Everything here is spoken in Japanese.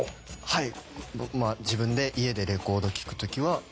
はい。